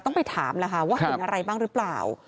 ไปถามนะคะว่าเห็นอะไรบ้างหรือเปล่า